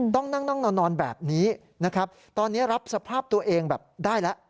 ต้องนั่งนอนแบบนี้นะครับตอนนี้รับสภาพตัวเองแบบได้แล้ว